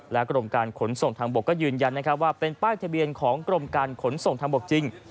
และกรมการขนส่งทางบกก็ยืนยันนะครับว่าเป็นป้ายทะเบียนของกรมการขนส่งทางบกจริง